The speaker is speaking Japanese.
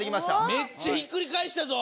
めっちゃひっくり返したぞ。